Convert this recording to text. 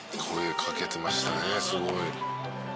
「声かけてましたねすごい」